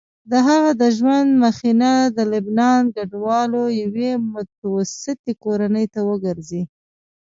د هغه د ژوند مخینه د لبنان کډوالو یوې متوسطې کورنۍ ته ورګرځي.